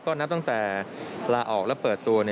ก็นับตั้งแต่ลาออกและเปิดตัว